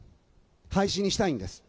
廃止にしたいんです。